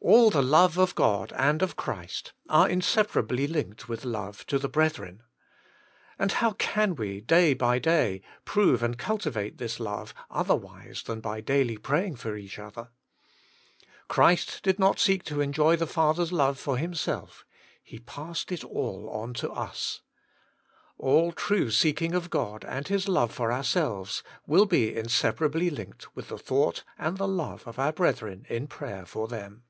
All the love of God, and of Christ, are in separably linked with love to the brethren. And how can we, day by day, prove and cul tivate this love otherwise than by daily praying for each other? Christ did not seek to enjoy the Father's love for Himself ; He passed it all on to us. All true seeking of God and His love for ourselves, will be inseparably linked with the thought and the love of our brethren in prayer for them.